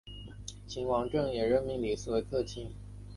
秦王政也任命李斯为客卿。